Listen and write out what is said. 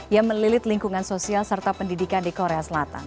yang melilit lingkungan sosial serta pendidikan di korea selatan